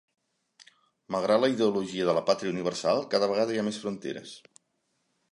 Malgrat la ideologia de "la pàtria universal", cada vegada hi ha més fronteres.